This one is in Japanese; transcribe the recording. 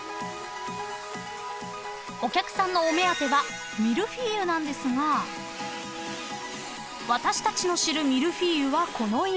［お客さんのお目当てはミルフィーユなんですが私たちの知るミルフィーユはこのイメージ］